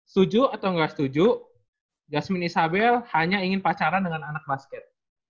setuju atau nggak setuju jasmine isabel hanya ingin pacaran dengan anak basket